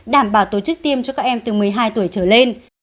đảm bảo tổ chức tiêm cho các em từ một mươi hai tuổi trở lên